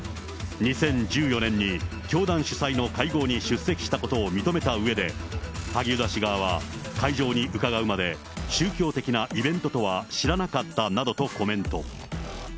２０１４年に教団主催の会合に出席したことを認めたうえで、萩生田氏側は会場に伺うまで、宗教的なイベントとは知らなかったなどとコメント。